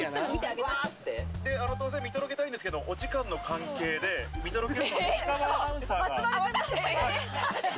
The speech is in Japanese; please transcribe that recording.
見届けたいんですけど、お時間の関係で見届けるのは石川アナウンサーが。